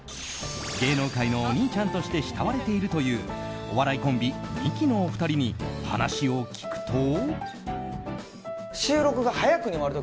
芸能界のお兄ちゃんとして慕われているというお笑いコンビ、ミキのお二人に話を聞くと。